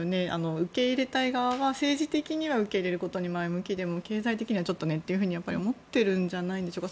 受け入れたい側は政治的には受け入れることに前向きでも経済的にはちょっとねと思っているんじゃないでしょうか。